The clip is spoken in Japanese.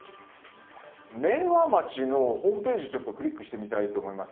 明和町のホームページクリックしてみたいと思います。